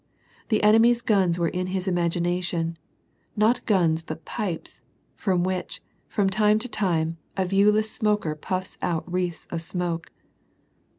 The .enemy's guns were in his imag ination, not guns but pipes, from which, from time to time, a viewless smoker puffs out wreaths of smoke.